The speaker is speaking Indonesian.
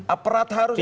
aperat harus ini